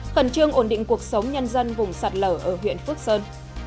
khẩn trương ổn định cuộc sống nhân dân vùng sạt lở ở huyện phước sơn